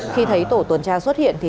khi thấy tổ tuần tra xuất hiện